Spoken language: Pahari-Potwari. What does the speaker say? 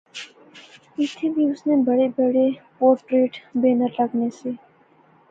ایتھیں وی اس نے بڑے بڑے پورٹریٹ بینر لغے نے سے